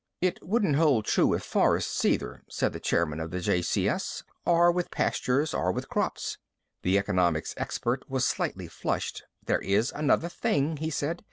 "It wouldn't hold true with forests, either," said the chairman of the JCS. "Or with pastures or with crops." The economics expert was slightly flushed. "There is another thing," he said.